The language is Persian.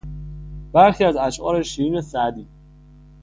برخی از اشعار شیرین سعدی